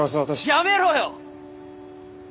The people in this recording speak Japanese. やめろよ！